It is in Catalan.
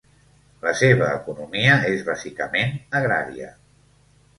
La seva economia és bàsicament agrària.